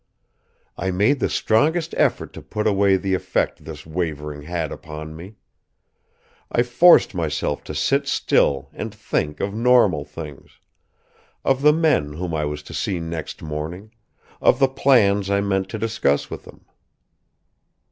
I made the strongest effort to put away the effect this wavering had upon me. I forced myself to sit still and think of normal things; of the men whom I was to see next morning, of the plans I meant to discuss with them.